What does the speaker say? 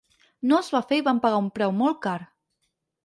No es va fer i vam pagar un preu molt car.